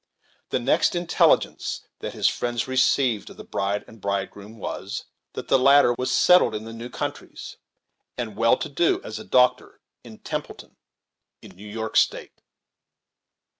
The next intelligence that his friends received of the bride and bridegroom was, that the latter was "settled in the new countries, and well to do as a doctor in Templeton, in York State!"